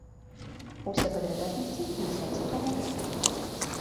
Усе падрабязнасці на сайце праекта.